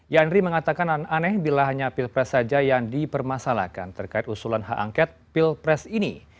yandri mengatakan aneh bila hanya pilpres saja yang dipermasalahkan terkait usulan hak angket pilpres ini